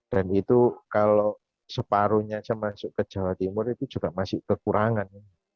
dan itu kalau separuhnya yang masuk ke jawa timur itu juga masih kekurangan